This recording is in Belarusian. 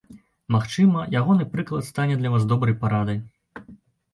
Магчыма, ягоны прыклад стане для вас добрай парадай.